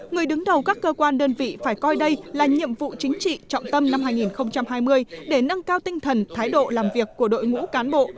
người đứng đầu các cơ quan đơn vị phải coi đây là nhiệm vụ chính trị trọng tâm năm hai nghìn hai mươi để nâng cao tinh thần thái độ làm việc của đội ngũ cán bộ